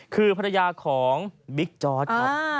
คือภรรยาของบิ๊กจอร์ดครับ